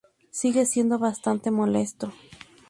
Sigue siendo bastante molesto.